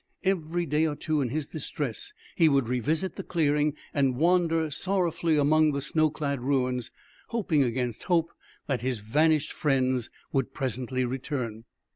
Every day or two, in his distress, he would revisit the clearing and wander sorrowfully among the snow clad ruins, hoping against hope that his vanished friends would presently return.